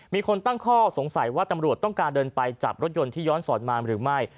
มีคนตั้งข้อสงสัยว่าตำรวจต้องการเดินไปจับรถยนต์ที่ย้อนสอนมาหรือไม่